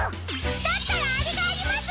だったらあれがあります！